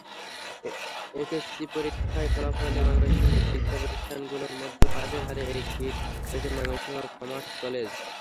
HSC পরীক্ষার ফলাফলে ময়মনসিংহের শিক্ষাপ্রতিষ্ঠানগুলোর মধ্যে পাসের হারে এগিয়ে রয়েছে ময়মনসিংহ কর্মাস কলেজ।